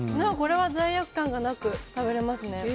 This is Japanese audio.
これは罪悪感なく食べれますね。